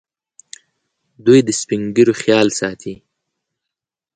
دوی د سپین ږیرو خیال ساتي.